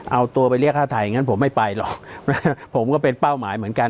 เอาตัวไปเรียกฆ่าไทยอย่างนั้นผมไม่ไปหรอกผมก็เป็นเป้าหมายเหมือนกัน